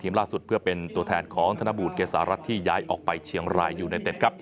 ล่าสุดเพื่อเป็นตัวแทนของธนบูรเกษารัฐที่ย้ายออกไปเชียงรายยูไนเต็ดครับ